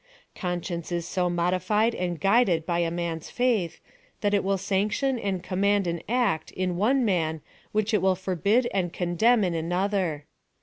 Conscience is so mod ified and guided by a man's faith, that it will sanc tion and command an act in one man which it will forbid and condemn in another.